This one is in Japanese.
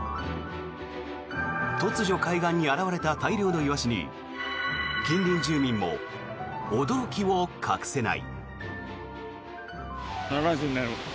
突如海岸に現れた大量のイワシに近隣住民も驚きを隠せない。